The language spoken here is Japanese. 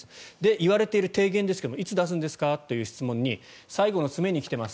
いわれている提言ですがいつ出すんですか？という質問に最後の詰めに来ています。